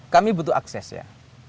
kami butuh akses ya